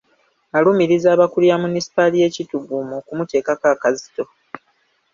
Alumiriza abakulira Munisipaali ye Kitgum okumuteekako akazito